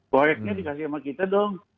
proyeknya dikasih sama kita dong